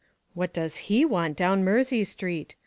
"What does he want down Mersey Street?